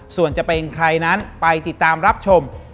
ส่วนจะเป็นใครนั้นไปติดตามรับชม